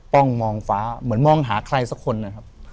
้องมองฟ้าเหมือนมองหาใครสักคนนะครับ